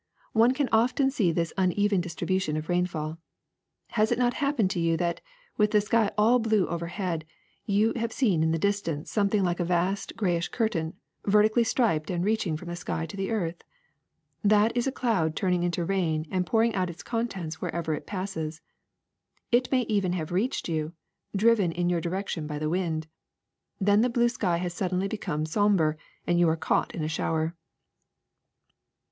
One can often see this uneven distribution of a rainfall. Has it not happened to you that, with the sky all blue overhead, you have seen in the distance something like a vast grayish curtain, vertically striped and reaching from the sky to the earth? That is a cloud turning into rain and pouring out its contents wher ever it passes. It may even have reached you, driven in your direction by the wind. Then the blue sky has suddenly become somber, and you are caught in a shower.